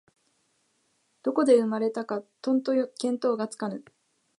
どこで生まれたかとんと見当がつかぬ